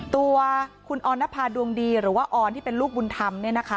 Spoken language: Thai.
ตัวคุณออนภาดวงดีหรือว่าออนที่เป็นลูกบุญธรรม